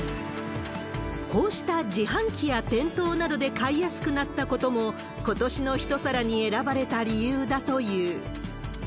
こうした自販機や店頭などで買いやすくなったことも、今年の一皿に選ばれた理由だという。